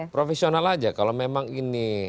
profesional aja kalau memang ini